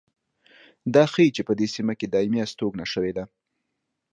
دا ښيي چې په دې سیمه کې دایمي هستوګنه شوې ده